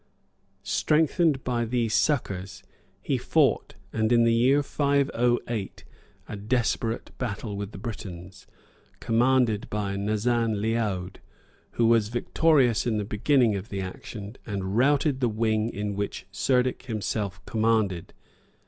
[] Strengthened by these succors, he fought, in the year 508, a desperate battle with the Britons, commanded by Nazan Leod, who was victorious in the beginning of the action, and routed the wing in which Cerdic himself commanded.